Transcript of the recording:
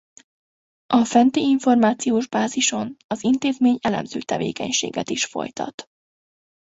A fenti információs bázison az intézmény elemző tevékenységet is folytat.